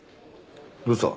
どうした？